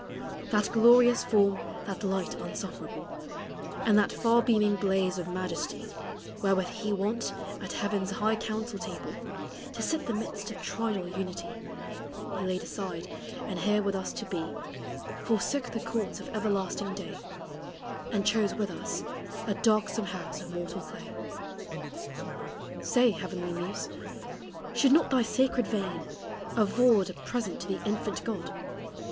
That glorious form, that light unsufferable, And that far beaming blaze of majesty Wherewith He wont at heaven's high council table To sit the midst of Trinal Unity, He laid aside; and here with us to be, Forsook the courts of everlasting day, And chose with us a darksome house of mortal clay. Say, heavenly muse, shall not thy sacred vein Afford a present to the infant God?